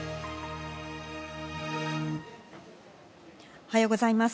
おはようございます。